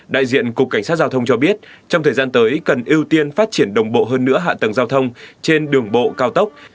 đại diện cục cảnh sát giao thông cho biết trong thời gian tới cần ưu tiên phát triển đồng bộ hơn nữa hạ tầng giao thông trên đường bộ cao tốc